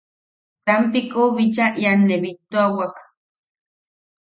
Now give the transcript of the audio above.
Tampikou bicha ian ne bittuawak.